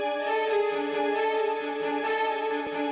selamat pagi kak taufan